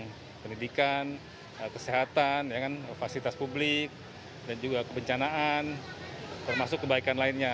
kementerian pendidikan kesehatan fasilitas publik dan juga kebencanaan termasuk kebaikan lainnya